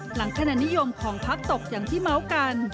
หลังขณะนิยมของพักตกอย่างที่เมาค์กัน